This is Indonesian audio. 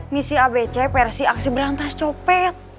misi abc versi aksi berantas copek